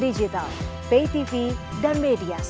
oh itu urusannya psi lah